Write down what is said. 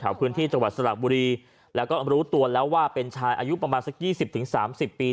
ถามพื้นที่จังหวัดสตราบุรีแล้วก็รู้ตัวแล้วว่าเป็นชายอายุประมาณสัก๒๐๓๐ปี